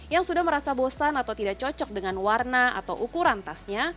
yang sudah merasa bosan atau tidak cocok dengan warna atau ukuran tasnya